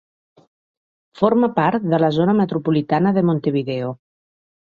Forma part de la zona metropolitana de Montevideo.